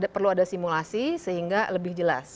perlu ada simulasi sehingga lebih jelas